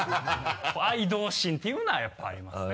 愛道心っていうのはやっぱりありますね。